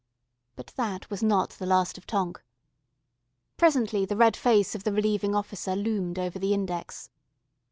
But that was not the last of Tonk. Presently the red face of the Relieving Officer loomed over the index.